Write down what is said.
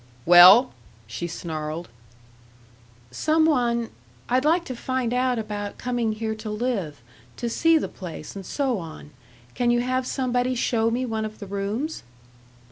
"Well?" she snarled. "Some one I'd like to find out about coming here to live to see the place, and so on. Can you have somebody show me one of the rooms?"